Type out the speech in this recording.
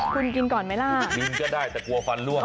คุณกินก่อนไหมล่ะกินก็ได้แต่กลัวฟันล่วง